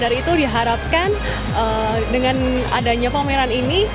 dari itu diharapkan dengan adanya pameran ini